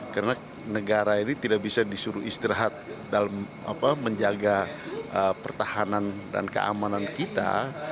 karena negara ini tidak bisa disuruh istirahat dalam menjaga pertahanan dan keamanan kita